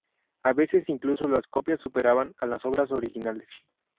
A veces incluso las copias superaban a las obras originales.